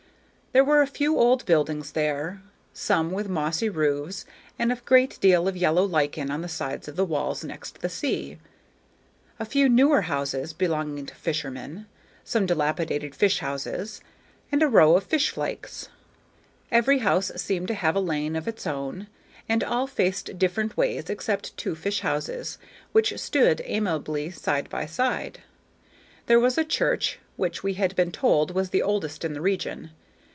There were a few old buildings there, some with mossy roofs and a great deal of yellow lichen on the sides of the walls next the sea; a few newer houses, belonging to fishermen; some dilapidated fish houses; and a row of fish flakes. Every house seemed to have a lane of its own, and all faced different ways except two fish houses, which stood amiably side by side. There was a church, which we had been told was the oldest in the region.